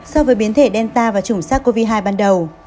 so với biến thể delta và chủng sars cov hai ban đầu